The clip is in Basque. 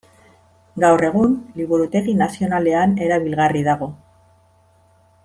Gaur egun Liburutegi Nazionalean erabilgarri dago.